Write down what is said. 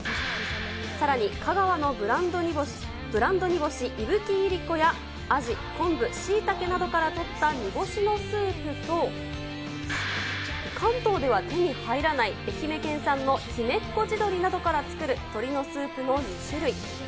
さらに香川のブランド煮干し、伊吹いりこやアジ、昆布、しいたけなどからとった煮干しのスープと、関東では手に入らない、愛媛県産の媛っこ地鶏などから作る鳥のスープの２種類。